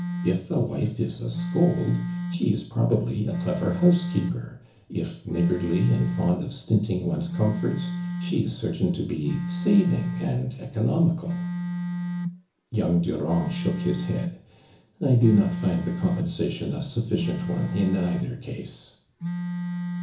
If a wife is a scold, she is probably a clever housekeeper — if niggai dly and fond of stinting one's comfort*, she is C(u*tain to be saving and economioal." Young Durand shook his hojul. •• I do not find the compensation a sufficient one in either case."